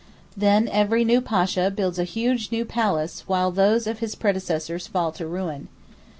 Then, every new Pasha builds a huge new palace while those of his predecessors fall to ruin.